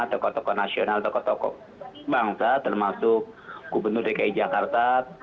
tokoh tokoh nasional tokoh tokoh bangsa termasuk gubernur dki jakarta